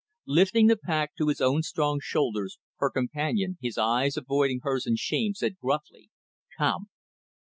Lifting the pack to his own strong shoulders, her companion his eyes avoiding hers in shame said gruffly, "Come."